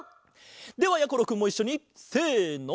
ではやころくんもいっしょにせの！